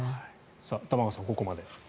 玉川さん、ここまで。